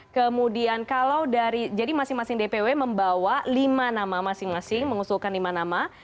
kemudian kalau dari jadi masing masing dpw membawa lima nama masing masing mengusulkan lima nama